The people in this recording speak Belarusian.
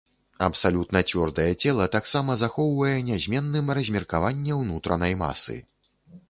Абсалютна цвёрдае цела таксама захоўвае нязменным размеркаванне ўнутранай масы.